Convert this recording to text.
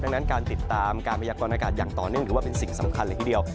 ดังนั้นการติดตามการพยากรณากาศอย่างต่อเนื่องถือว่าเป็นสิ่งสำคัญเลยทีเดียว